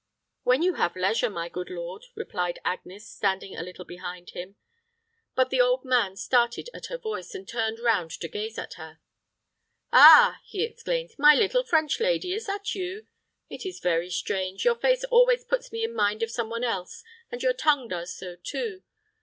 "When you have leisure, my good lord," replied Agnes, standing a little behind him. But the old man started at her voice, and turned round to gaze at her. "Ah!" he exclaimed. "My little French lady, is that you? It is very strange, your face always puts me in mind of some one else, and your tongue does so too.